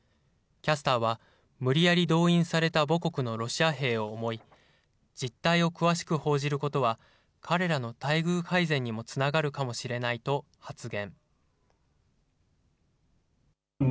キャスターは、無理やり動員された母国のロシア兵を思い、実態を詳しく報じることは、彼らの待遇改善にもつながるかもしれないと発言。